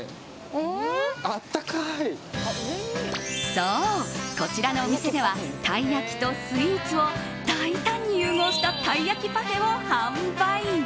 そう、こちらのお店ではたい焼きとスイーツを大胆に融合したたい焼きパフェを販売。